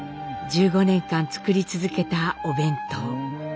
１５年間作り続けたお弁当。